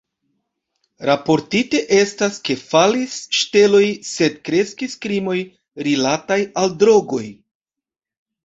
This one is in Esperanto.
Raportite estas, ke falis ŝteloj sed kreskis krimoj rilataj al drogoj.